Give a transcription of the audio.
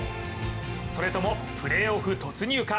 それともプレーオフ突入か。